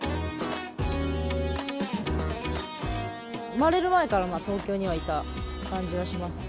「生まれる前から東京にはいた感じはします」